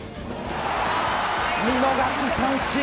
見逃し三振！